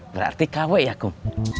berarti kawai ya kum